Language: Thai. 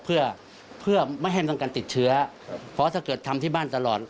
เพื่อเพื่อไม่ให้ต้องการติดเชื้อเพราะถ้าเกิดทำที่บ้านตลอด